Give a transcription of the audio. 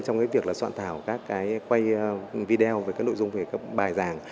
trong việc soạn thảo các quay video với các nội dung về các bài giảng